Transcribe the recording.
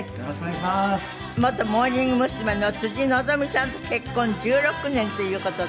元モーニング娘。の辻希美さんと結婚１６年という事で。